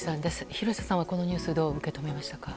廣瀬さんはこのニュースをどう受け止めましたか。